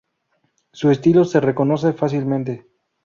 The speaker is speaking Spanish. Su estilo se reconoce fácilmente.